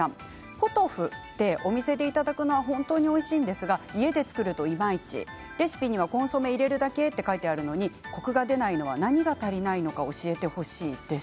ポトフはお店でいただくのは本当においしいですが家で作るといまいちレシピにはコンソメを入れるだけと書いてあるのにコクが出ないのは何が簡単です。